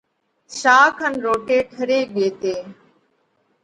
شاک ان روٽي ٺري ڳي تي۔